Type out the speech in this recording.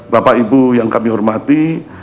bapak ibu yang kami hormati